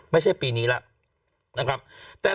ไม่ใช่ปีนี้แล้ว